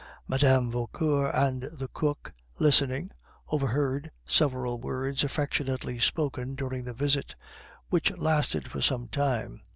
Mme. Vauquer and the cook, listening, overheard several words affectionately spoken during the visit, which lasted for some time.